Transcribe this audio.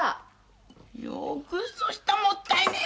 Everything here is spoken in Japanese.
よくそしたもったいねえことを。